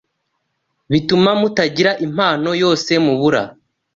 bituma mutagira impano yose mubura